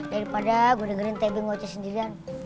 daripada gue dengerin tebing oce sendirian